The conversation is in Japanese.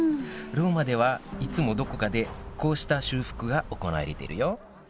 ローマではいつもどこかでこうした修復が行われているよ。